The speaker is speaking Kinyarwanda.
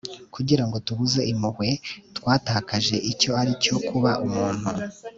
kugira ngo tubuze impuhwe, twatakaje icyo ari cyo kuba umuntu